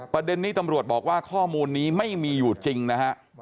ประเด็นนี้ตำรวจบอกว่าข้อมูลนี้ไม่มีอยู่จริงนะฮะ